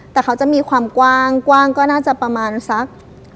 แต่เขาจะมีความกว้างก็น่าจะประมาณสัก